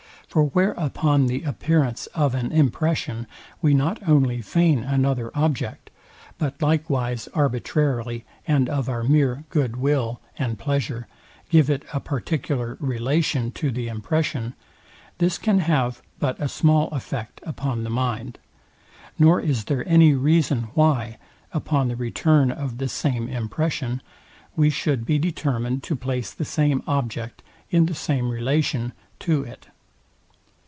For where upon the appearance of an impression we not only feign another object, but likewise arbitrarily, and of our mere good will and pleasure give it a particular relation to the impression, this can have but a small effect upon the mind; nor is there any reason, why, upon the return of the same impression, we should be determined to place the same object in the same relation to it.